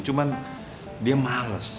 cuman dia males